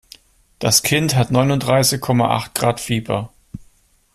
Das Kind hat neununddreißig Komma acht Grad Fieber.